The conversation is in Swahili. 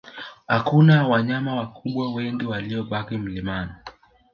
Hakuna wanyama wakubwa wengi waliobaki mlimani